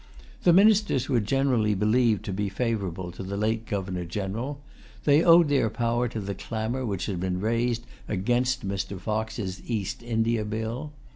The ministers were generally believed to be favorable to the late Governor General. They owed their power to the clamor which had been raised against Mr. Fox's East India Bill.